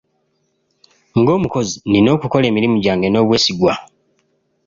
Ng'omukozi nnina okukola emirimu gyange n'obwesigwa.